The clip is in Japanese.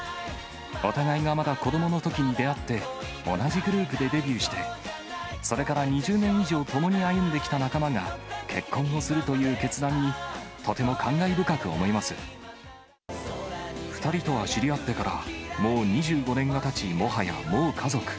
お互いがまだ子どものときに出会って、同じグループでデビューして、それから２０年以上共に歩んできた仲間が結婚をするという決断に、２人とは知り合ってからもう２５年がたち、もはや、もう家族。